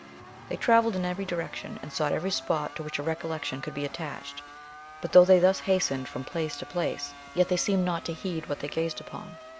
They travelled in every direction, and sought every spot to which a recollection could be attached: but though they thus hastened from place to place, yet they seemed not to heed what they gazed upon.